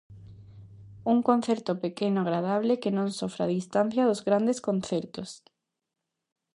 Un concerto pequeno, agradable que non sofre a distancia dos grandes concertos.